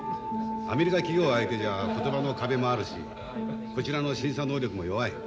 アメリカ企業相手じゃ言葉の壁もあるしこちらの審査能力も弱い。